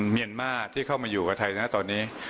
เมียนมาที่เข้ามาอยู่กับไทยนะตอนนี้